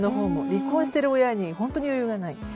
離婚している親に余裕がない。